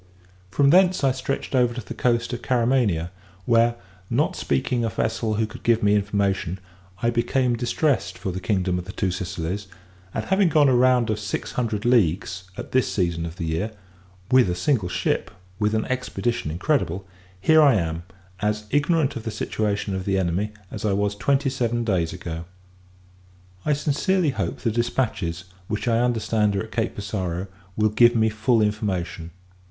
From thence I stretched over to the coast of Caramania; where, not speaking a vessel who could give me information, I became distressed for the kingdom of the Two Sicilies: and, having gone a round of six hundred leagues, at this season of the year, (with a single ship, with an expedition incredible) here I am, as ignorant of the situation of the enemy as I was twenty seven days ago! I sincerely hope, the dispatches, which I understand are at Cape Passaro, will give me full information.